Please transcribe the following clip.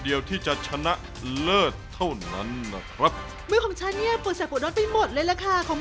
เอ้าจริง